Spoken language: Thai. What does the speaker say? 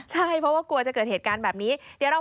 ใช่เพราะว่ากลัวจะเกิดเหตุการณ์แบบนี้เดี๋ยวเรา